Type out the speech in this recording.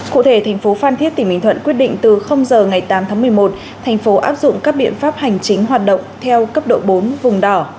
cụ thể thành phố phan thiết tỉnh bình thuận quyết định từ giờ ngày tám tháng một mươi một thành phố áp dụng các biện pháp hành chính hoạt động theo cấp độ bốn vùng đỏ